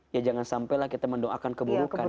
ya jangan sampailah kita mendoakan keburukan